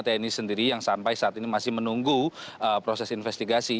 tni sendiri yang sampai saat ini masih menunggu proses investigasi